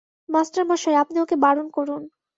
মাস্টারমশায়, আপনি ওঁকে বারণ করুন।